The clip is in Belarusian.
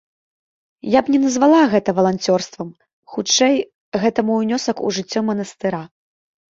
Я б не назвала гэта валанцёрствам, хутчэй, гэта мой унёсак у жыццё манастыра.